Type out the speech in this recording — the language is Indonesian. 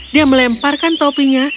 dia melemparkan topinya